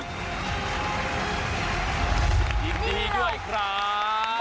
ดีดีด้วยครับ